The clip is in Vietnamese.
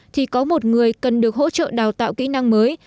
thì có một người cần được hỗ trợ đào tạo kỹ năng mới